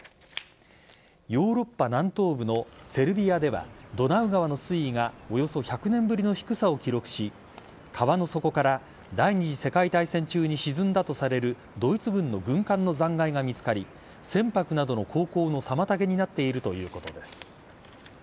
ヨーロッパ南東部のセルビアではドナウ川の水位がおよそ１００年ぶりの低さを記録し川の底から第２次世界大戦中に沈んだとされるドイツ軍の軍艦の残骸が見つかり船舶などの航行の妨げになっているということです。